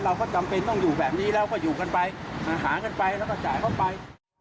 เราก็จำเป็นต้องอยู่แบบนี้แล้วก็อยู่กันไปหากันไปแล้วก็จ่ายเข้าไป